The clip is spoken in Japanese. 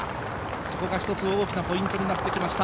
そこが一つ、大きなポイントになってきました。